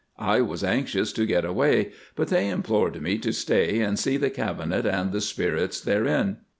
I was anxious to get away, but they implored me to stay and see the cabinet and the spirits therein.